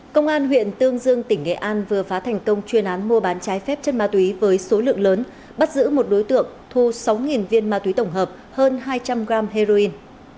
công an huyện tương dương tỉnh nghệ an vừa phá thành công chuyên án mua bán trái phép chất ma túy với số lượng lớn bắt giữ một đối tượng thu sáu viên ma túy tổng hợp hơn hai trăm linh g heroin